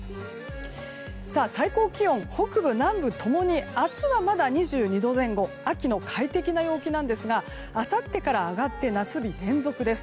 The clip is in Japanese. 最高気温、北部、南部共に明日はまだ２２度前後秋の快適な温度なんですがあさってから上がって夏日連続です。